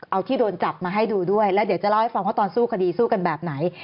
เอาที่โดนจับมาให้ดูด้วยแล้วเดี๋ยวจะเล่าให้ฟังว่าตอนสู้คดีสู้กันแบบไหน